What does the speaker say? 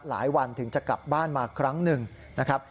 หลายวันถึงจะกลับบ้านมาครั้งหนึ่งนะครับ